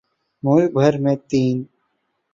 ملک بھر میں تین